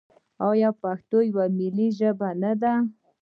آیا پښتو یوه ملي ژبه نه ده؟